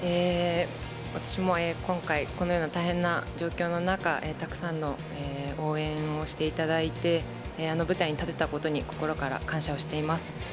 私も今回、このような大変な状況の中、たくさんの応援をしていただいて、あの舞台に立てたことに心から感謝をしています。